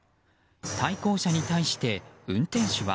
対向車に対して、運転手は。